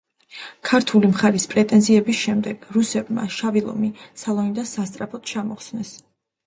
ქართული მხარის პრეტენზიების შემდეგ, რუსებმა „შავი ლომი“ სალონიდან სასწრაფოდ ჩამოხსნეს.